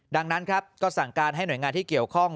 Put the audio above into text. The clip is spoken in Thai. ดังนั้นครับก็สั่งการให้หน่วยงานที่เกี่ยวข้อง